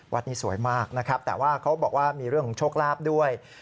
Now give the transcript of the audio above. วัดนี้สวยมากแต่ว่าเค้าบอกว่ามีเรื่องโชคราบด้วย